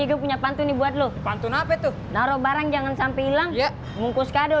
ibu punya pantun dibuat lu pantun apa itu naro barang jangan sampai hilang ya mungkus kado